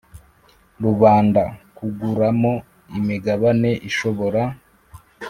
Rubanda kuguramo imigabane ishobora